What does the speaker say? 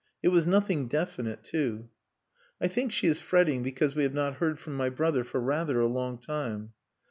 It was nothing definite, too. "I think she is fretting because we have not heard from my brother for rather a long time."